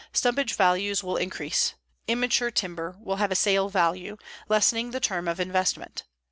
Stumpage values will increase. Immature timber will have a sale value, lessening the term of investment.